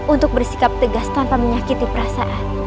untuk bersikap tegas tanpa menyakiti perasaan